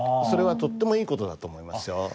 それはとってもいい事だと思いますよ。